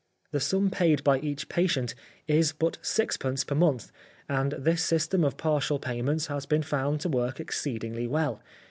The sum paid by each patient is but sixpence per month, and this system of partial payments has been found to work exceedingly well.